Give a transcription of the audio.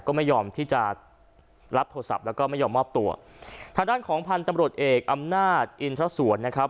ก็ไม่ยอมที่จะรับโทรศัพท์แล้วก็ไม่ยอมมอบตัวทางด้านของพันธุ์ตำรวจเอกอำนาจอินทรสวนนะครับ